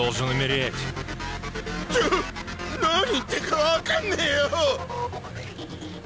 ちょっ何言ってるか分かんねえよ！